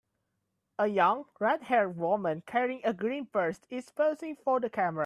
A young redhaired woman carrying a green purse is posing for the camera.